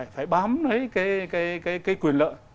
phải bám cái quyền lợi